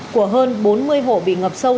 của hơn bốn mươi hộ bị ngập sâu